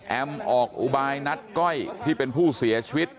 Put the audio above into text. ออกอุบายนัดก้อยที่เป็นผู้เสียชีวิต